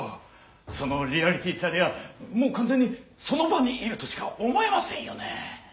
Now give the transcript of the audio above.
その「リアリティ」たるやもう完全にその場にいるとしか思えませんよねえ？